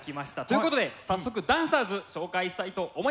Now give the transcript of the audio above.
ということで早速ダンサーズ紹介したいと思います。